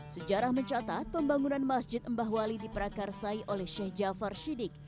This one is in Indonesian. sejarah mencatat pembangunan masjid mbahwali diperakarsai oleh sheikh ja far shiddiq